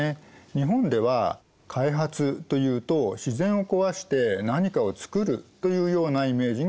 日本では開発というと自然を壊して何かを作るというようなイメージが強いんです。